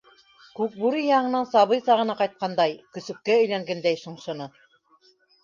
Күкбүре, яңынан сабый сағына ҡайтҡандай, көсөккә әйләнгәндәй, шыңшыны.